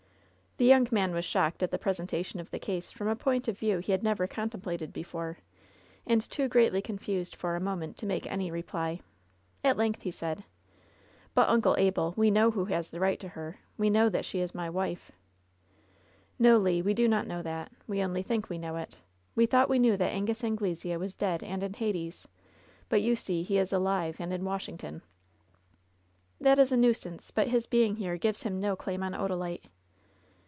The young man was shocked at the presentation of the case from a point of view he had never contemplated before, and too greatly confused for a moment to make any reply. At length he said : LOVE'S BITTEREST CUP 101 '^ut, Uncle Abel, we know who has the right to her I We know that she is my wife 1'^ "No, Le, we do not know that. We only think we know it* We thought we knew that Angus Anglesea was dead and in Hades. But you see he is alive, and in Washington." "That is a nuisance ; but his being here gives him no claim on Odalite."